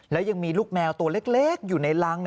แล้วยังมีลูกแมวตัวเล็กอยู่ในรัง